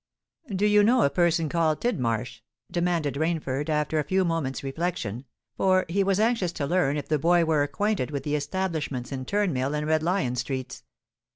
"Do you know a person called Tidmarsh?" demanded Rainford, after a few moments' reflection—for he was anxious to learn if the boy were acquainted with the establishments in Turnmill and Red Lion Streets.